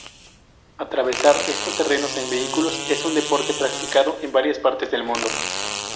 Atravesar estos terrenos en vehículos es un deporte practicado en varias partes del mundo.